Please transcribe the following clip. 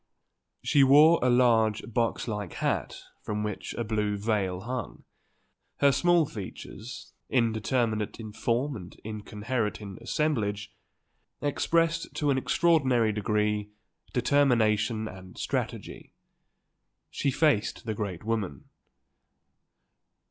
She wore a large, box like hat from which a blue veil hung. Her small features, indeterminate in form and incoherent in assemblage, expressed to an extraordinary degree determination and strategy. She faced the great woman.